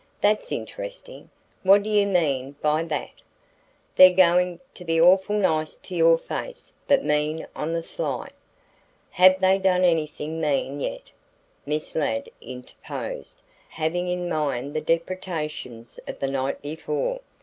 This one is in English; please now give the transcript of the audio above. "That's interesting. What do you mean by that?" "They're goin' to be awful nice to your face, but mean on the sly." "Have they done anything mean yet?" Miss Ladd interposed, having in mind the depredations of the night before.